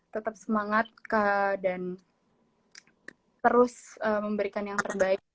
tetap semangat dan terus memberikan yang terbaik